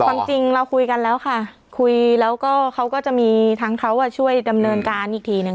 ความจริงเราคุยกันแล้วค่ะคุยแล้วก็เขาก็จะมีทั้งเขาช่วยดำเนินการอีกทีหนึ่ง